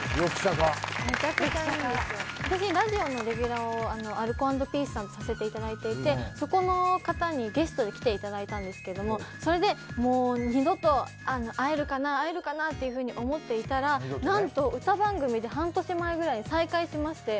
私ラジオのレギュラーをアルコ＆ピースさんとさせていただいていてそこの方にゲストで来ていただいたんですけどもそれでもう二度と会えるかなっていうふうに思っていたら何と歌番組で半年前ぐらいに再会しまして。